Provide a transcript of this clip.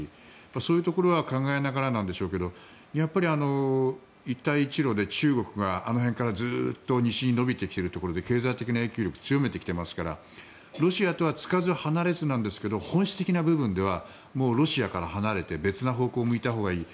そういうところは考えながらなんでしょうけどやっぱり一帯一路で中国があの辺からずっと西に延びてきているところで経済的な影響力を強めてきていますからロシアとはつかず離れずなんですけど本質的な部分ではロシアから離れて別な方向を向いたほうがいい。